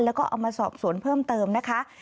แล้วก็เอามาสอบสวนเพิ่มเติมนะคะ